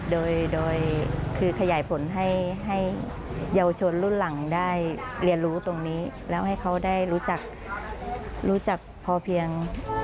โดยคือขยายผลให้เยาวชนรุ่นหลังได้เรียนรู้ตรงนี้แล้วให้เขาได้รู้จักรู้จักพอเพียง